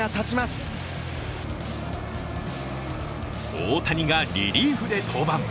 大谷がリリーフで登板。